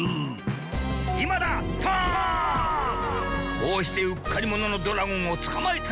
こうしてうっかりもののドラゴンをつかまえたのであった」。